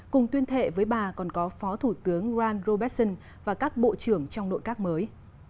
cùng tuyên thệ với bà còn có phó thủ tướng ron robertson và các bộ trưởng trong nội các mới